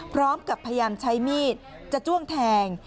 พร้อมกับพยายามใช้มีดจะจ้วงแทง